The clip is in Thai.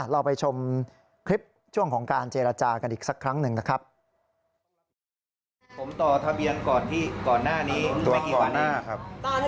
เราไปชมคลิปช่วงของการเจรจากันอีกสักครั้งหนึ่งนะครับ